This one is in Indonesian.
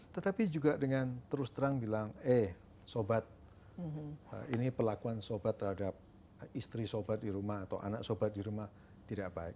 tetapi juga dengan terus terang bilang eh sobat ini pelakuan sobat terhadap istri sobat di rumah atau anak sobat di rumah tidak baik